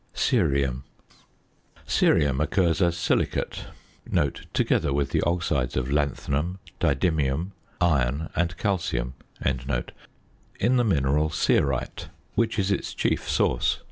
CERIUM. Cerium occurs as silicate (together with the oxides of lanthanum, didymium, iron and calcium) in the mineral cerite, which is its chief source.